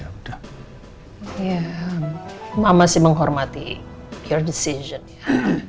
ya mama masih menghormati keputusanmu